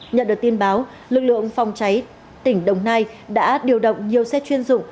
nhận được tin báo lực lượng phòng cháy tỉnh đồng nai đã điều động nhiều xe chuyên dụng